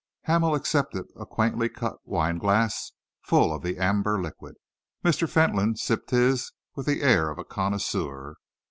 Hamel accepted a quaintly cut wine glass full of the amber liquid. Mr. Fentolin sipped his with the air of a connoisseur.